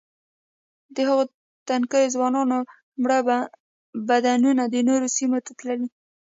د هغو تنکیو ځوانانو مړه بدنونه د نورو سیمو ته تللي.